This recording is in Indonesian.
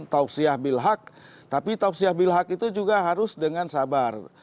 tausiah bilhak tapi taufiah bilhak itu juga harus dengan sabar